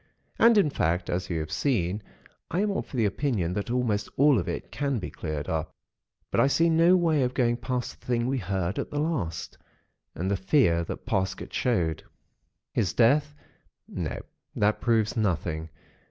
And, in fact, as you have seen, I am of the opinion that almost all of it can be cleared up; but I see no way of going past the thing we heard at the last, and the fear that Parsket showed. "His death—— No, that proves nothing.